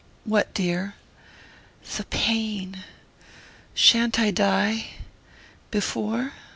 "What, dear?" "The pain.... Shan't I die...before?"